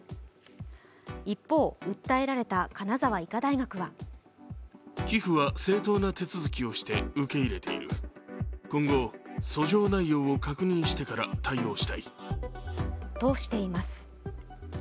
一方、訴えられた金沢医科大学はとしています。